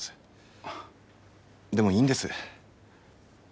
でもいいんです。